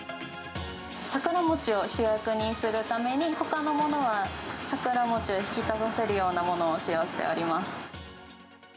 桜餅を主役にするために、ほかのものは、桜餅を引き立たせるようなものを使用しております。